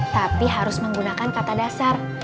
tapi harus menggunakan kata dasar